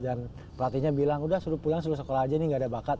dan pelatihnya bilang udah pulang seluruh sekolah aja nih gak ada bakat